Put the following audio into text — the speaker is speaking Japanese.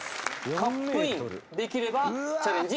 カップインできればチャレンジ